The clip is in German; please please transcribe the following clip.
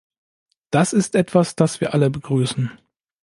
Das ist etwas, das wir alle begrüßen.